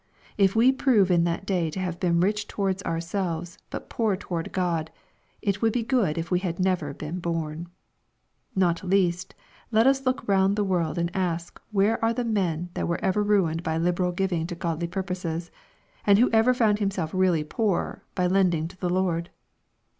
If we prove in that day to have been rich toward ourselves, but^gaor toward God, it would be good if we had never been born. — Not least, let us look round the world and ask where are the men that were ever ruined by liberal giving to godly purposes, and who ever found himself really poorer by lending to the Lord